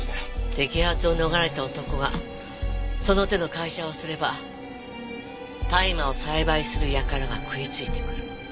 摘発を逃れた男がその手の会社をすれば大麻を栽培する輩が食いついてくる。